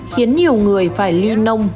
khiến nhiều người phải ly nông